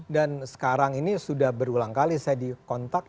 dan sekarang ini sudah berulang kali saya dikontak